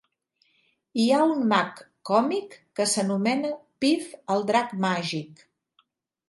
Hi ha un mag còmic que s'anomena Piff el Drac Màgic.